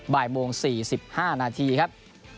บ่ายโมง๔๕นาทีครับ